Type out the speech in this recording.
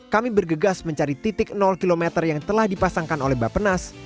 kami bergegas mencari titik km yang telah dipasangkan oleh bapenas